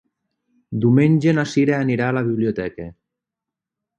Diumenge na Cira anirà a la biblioteca.